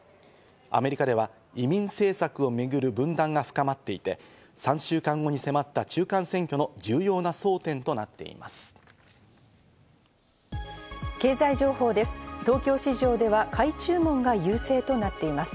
アメリカでは移民政策を巡る分断が深まっていて、３週間後に迫った中間選挙の重要な争点となっています。